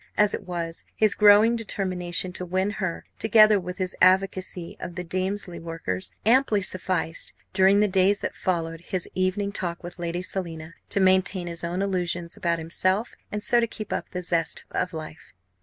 As it was, his growing determination to win her, together with his advocacy of the Damesley workers amply sufficed, during the days that followed his evening talk with Lady Selina, to maintain his own illusions about himself and so to keep up the zest of life.